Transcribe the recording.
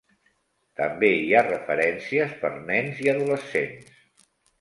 També hi ha referències per nens i adolescents.